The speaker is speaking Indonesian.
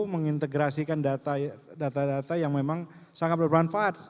mengintegrasikan data data yang memang sangat bermanfaat